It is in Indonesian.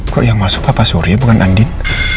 kok yang masuk papa surya bukan andin